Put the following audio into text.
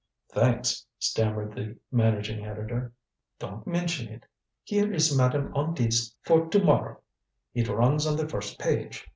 "Thanks," stammered the managing editor. "Don't mention it. Here is Madame On Dit's column for to morrow. It runs on the first page.